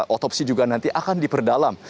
otopsi juga nanti akan diperdalam